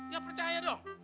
gak percaya dong